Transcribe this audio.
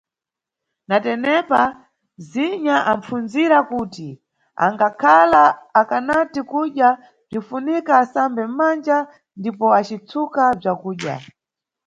Natenepa, Zinya apfundzira kuti angakhala akanati kudya bzinʼfunika asambe mʼmanja ndipo acitsuka bzakudya.